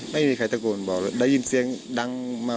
ไม่มีใครตะโกนบอกได้ยินเสียงดังมา